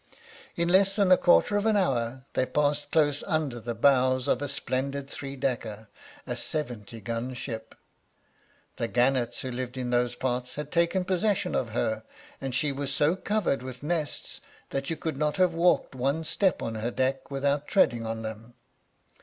In less than a quarter of an hour they passed close under the bows of a splendid three decker, a seventy gun ship. The gannets who live in those parts had taken possession of her, and she was so covered with nests that you could not have walked one step on her deck without treading on them.